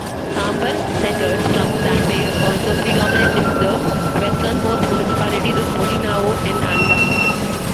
Sambal settlers from Zambales also predominate in the westernmost municipalities of Bolinao and Anda.